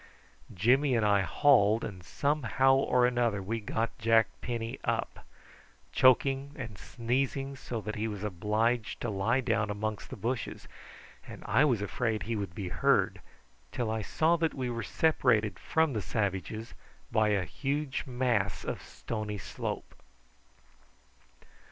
Jimmy and I hauled, and somehow or another we got Jack Penny up, choking and sneezing, so that he was obliged to lie down amongst the bushes, and I was afraid he would be heard, till I saw that we were separated from the savages by a huge mass of stony slope.